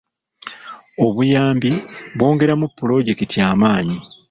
Obuyambi bwongeramu pulojekiti amaanyi.